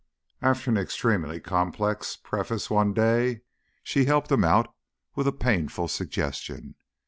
After an extremely complex preface one day, she helped him out with a painful suggestion.